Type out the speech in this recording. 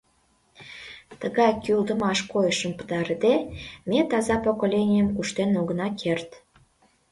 Тыгай кӱлдымаш койышым пытарыде, ме таза поколенийым куштен огына керт.